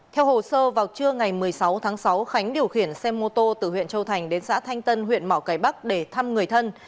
theo hồ sơ vào trưa ngày một mươi sáu tháng sáu khánh điều khiển xe mô tô từ huyện châu thành đến xã thanh tân huyện mỏ cải bắc để thăm người thân